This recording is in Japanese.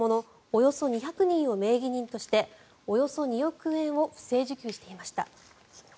およそ２００人を名義人としておよそ２億円を不正受給していました。